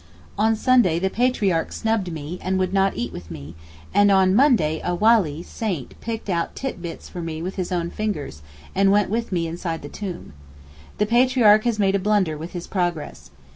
On Sunday the Patriarch snubbed me, and would not eat with me, and on Monday a Walee (saint) picked out tit bits for me with his own fingers, and went with me inside the tomb. The Patriarch has made a blunder with his progress.